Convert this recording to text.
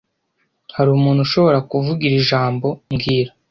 Hari umuntu ushobora kuvuga iri jambo mbwira